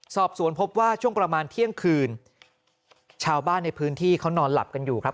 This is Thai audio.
สอบสวนพบว่าช่วงประมาณเที่ยงคืนชาวบ้านในพื้นที่เขานอนหลับกันอยู่ครับ